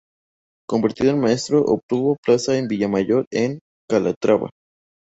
Convertido en maestro, obtuvo plaza en Villamayor de Calatrava.